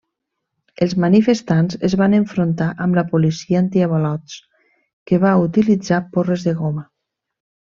Els manifestants es van enfrontar amb la policia antiavalots que va utilitzar porres de goma.